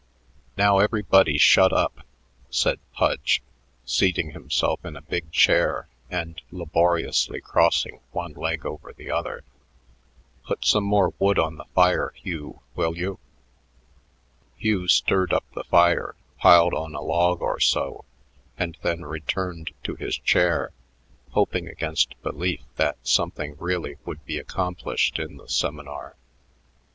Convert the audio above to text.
"Now everybody shut up," said Pudge, seating himself in a big chair and laboriously crossing one leg over the other. "Put some more wood on the fire, Hugh, will you?" Hugh stirred up the fire, piled on a log or so, and then returned to his chair, hoping against belief that something really would be accomplished in the seminar.